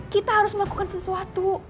kita harus melakukan sesuatu